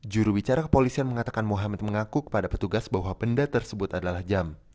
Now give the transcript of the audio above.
juru bicara kepolisian mengatakan muhammad mengaku kepada petugas bahwa benda tersebut adalah jam